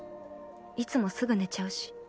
いつもすぐ寝ちゃうし